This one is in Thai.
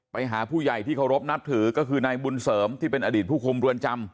ไปหาผู้ใหญ่ที่เคารพนับถือก็คือนายบุญเสริมที่เป็นอดีตผู้คุมเรือนจำ